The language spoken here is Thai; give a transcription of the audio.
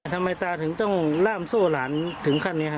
ทำไมตาถึงต้องล่ามโซ่หลานถึงขั้นนี้ครับ